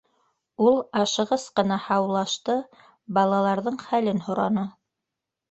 Ул ашығыс ҡына һаулашты, балаларҙың хәлен һораны.